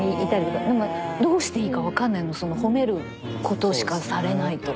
でもどうしていいかわかんないの褒めることしかされないと。